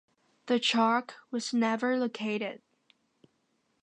The shark was never located.